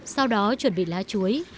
sau đó chuẩn bị lá chuối